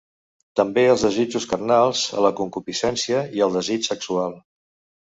També als desitjos carnals, a la concupiscència i al desig sexual.